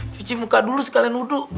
cuci muka dulu sekalian uduh